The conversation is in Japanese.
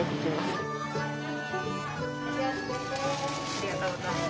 ありがとうございます。